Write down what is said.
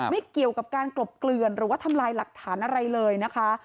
ไม่เกี่ยวกับการกลบเกลือนหรือว่าทำลายหลักฐานอะไรเลยนะคะ